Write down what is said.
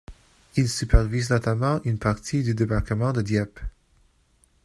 Il supervise notamment une partie du Débarquement de Dieppe.